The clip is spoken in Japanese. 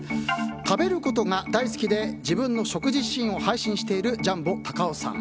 食べることが大好きで自分の食事シーンを配信しているジャンボたかおさん。